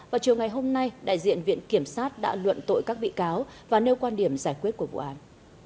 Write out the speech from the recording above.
vào chiều ngày hôm nay đại diện viện kiểm sát đã luận tội các bị cáo và nêu quan điểm giải quyết của vụ án